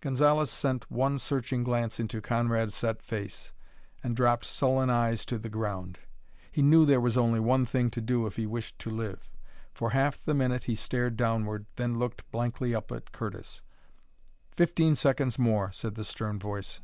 Gonzalez sent one searching glance into Conrad's set face, and dropped sullen eyes to the ground. He knew there was only one thing to do if he wished to live. For half the minute he stared downward, then looked blankly up at Curtis. "Fifteen seconds more," said the stern voice.